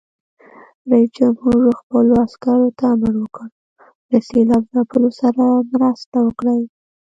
رئیس جمهور خپلو عسکرو ته امر وکړ؛ له سېلاب ځپلو سره مرسته وکړئ!